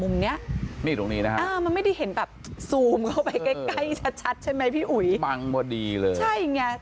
ที่ติดเลยแล้วคุณที่จะมาสอน